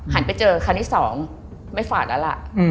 หันไปเจอคันที่สองไม่ฝาดแล้วล่ะ